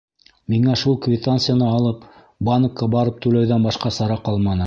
Миңә шул квитанцияны алып, банкка барып түләүҙән башҡа сара ҡалманы.